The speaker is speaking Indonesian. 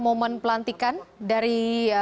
momen pelantikan dari